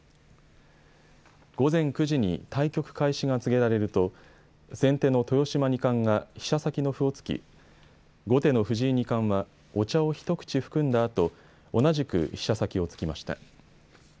午前９時に対局開始が告げられると先手の豊島二冠が飛車先の歩を突き後手の藤井二冠はお茶を一口含んだあと同じく飛車先を突きました。